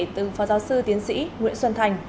từ phó giáo sư tiến sĩ nguyễn xuân thành